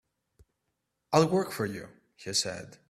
"I'll work for you," he said.